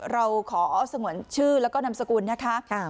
เราขอสงวนชื่อแล้วก็นามสกุลนะคะ